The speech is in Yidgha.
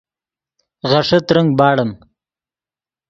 غیݰے ترنگ باڑیم